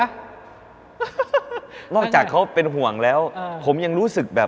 นอกจากเขาเป็นห่วงแล้วผมยังรู้สึกแบบ